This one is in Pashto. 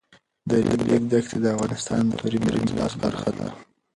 د ریګ دښتې د افغانستان د کلتوري میراث برخه ده.